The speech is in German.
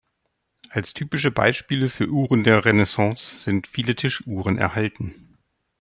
Als typische Beispiele für Uhren der Renaissance sind viele Tischuhren erhalten.